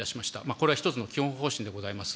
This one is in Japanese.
これは一つの基本方針でございます。